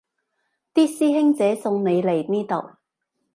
啲師兄姐送你嚟呢度